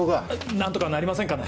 何とかなりませんかね。